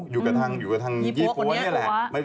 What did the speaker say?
อยู่กับทางยี่ปัวนี่แหละ